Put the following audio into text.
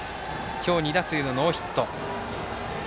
今日、２打数ノーヒット。